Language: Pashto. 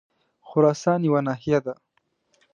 خراسان یوه ناحیه ده.